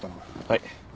はい。